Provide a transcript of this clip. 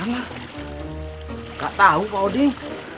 gak tahu pak odin